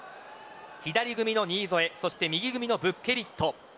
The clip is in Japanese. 左組みの新添そして右組みのブッケリット。